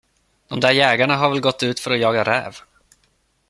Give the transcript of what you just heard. De där jägarna har väl gått ut för att jaga räv.